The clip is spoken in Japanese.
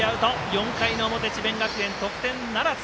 ４回の表、智弁学園得点ならず。